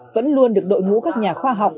vẫn luôn được đội ngũ các nhà khoa học